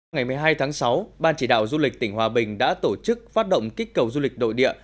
ngày một mươi hai tháng sáu ban chỉ đạo du lịch tỉnh hòa bình đã tổ chức phát động kích cầu du lịch nội địa